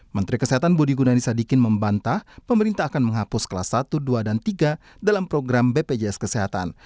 menteri kesehatan budi gunadisadikin membantah pemerintah akan menghapus kelas satu dua dan tiga dalam program bpjs kesehatan